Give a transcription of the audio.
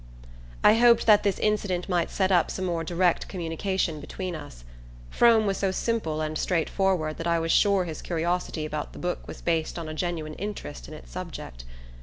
I hoped that this incident might set up some more direct communication between us. Frome was so simple and straightforward that I was sure his curiosity about the book was based on a genuine interest in its subject.